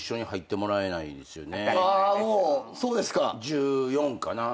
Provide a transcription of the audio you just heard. １４かな。